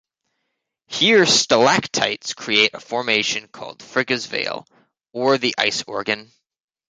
Here stalactites create a formation called Frigga's Veil, or the Ice Organ.